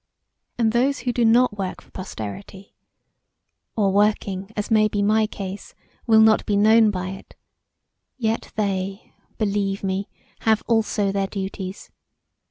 ] "And those who do not work for posterity; or working, as may be my case, will not be known by it; yet they, believe me, have also their duties.